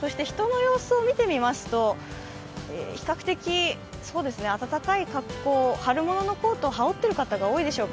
そして人の様子を見てみますと、比較的温かい格好、春物のコートを羽織っている方多いでしょうか。